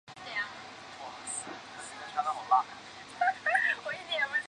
元朝末年是富阳教谕。